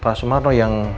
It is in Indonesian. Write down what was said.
pak sumarno yang